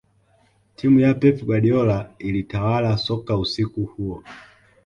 timu ya pep guardiola ilitawala soka usiku huo